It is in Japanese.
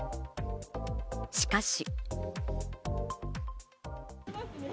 しかし。